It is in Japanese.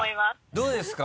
どうですか？